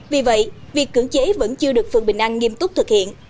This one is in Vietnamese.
vì vậy việc cưỡng chế vẫn chưa được phường bình an nghiêm túc thực hiện